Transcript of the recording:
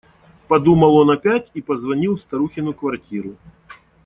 Подумал он опять и позвонил в старухину квартиру.